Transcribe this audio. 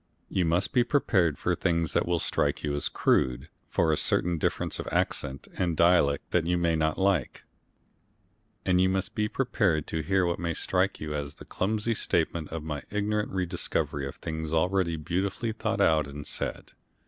You must be prepared for things that will strike you as crude, for a certain difference of accent and dialect that you may not like, and you must be prepared too to hear what may strike you as the clumsy statement of my ignorant rediscovery of things already beautifully thought out and said.